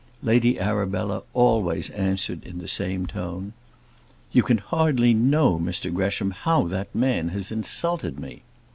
Lady Arabella always answered in the same tone: "You can hardly know, Mr Gresham, how that man has insulted me."